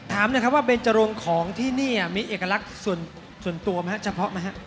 ถามนะครับว่าเป็นจรงของที่นี่มีเอกลักษณ์ส่วนตัวเฉพาะไหมครับ